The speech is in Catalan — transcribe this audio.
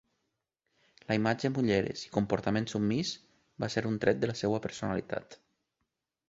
La imatge amb ulleres i comportament submís va ser un tret de la seva personalitat.